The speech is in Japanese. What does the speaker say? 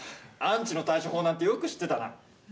アンチの対処法なんてよく知ってたな。